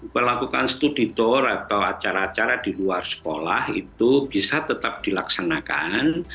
melakukan studi tour atau acara acara di luar sekolah itu bisa tetap dilaksanakan